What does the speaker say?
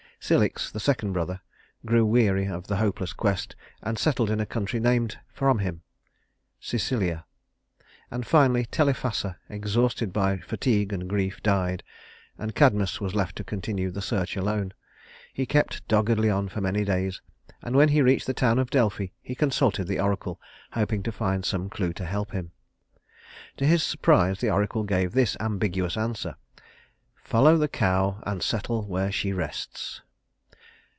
Cilix, the second brother, grew weary of the hopeless quest and settled in a country named from him Cilicia; and finally Telephassa, exhausted by fatigue and grief, died, and Cadmus was left to continue the search alone. He kept doggedly on for many days, and when he reached the town of Delphi, he consulted the oracle, hoping to find some clew to help him. To his surprise the oracle gave this ambiguous answer: "Follow the cow and settle where she rests."